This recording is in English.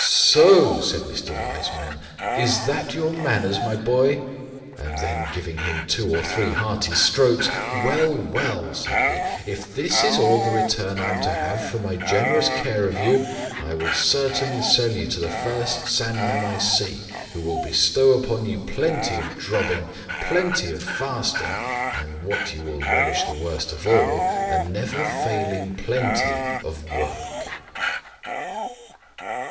"Soho! said Mr. Wiseman, is that your manners, my boy;" and then giving him two or three hearty strokes, "well, well, said he, if this is all the return I am to have for my generous care of you, I will certainly sell you to the first sandman I see, who will bestow upon you plenty of drubbing, plenty of fasting, and (what you will relish the worst of all) a never failing plenty of work."